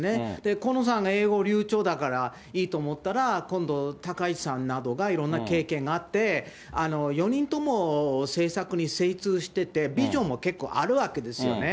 河野さんが英語流ちょうだからいいと思ったら、今度、高市さんなどがいろんな経験があって、４人とも政策に精通してて、ビジョンも結構あるわけですよね。